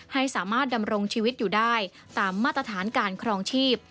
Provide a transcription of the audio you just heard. ให้สามารถดำรงชีวิตอยู่ได้ตามมาตรฐานการครองชีพ